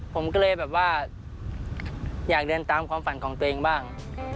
ผมก็เลยแบบว่าอยากเดินตามความฝันของตัวเองบ้าง